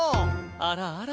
あらあら。